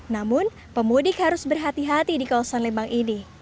namun pemudik harus berhati hati di kawasan lembang ini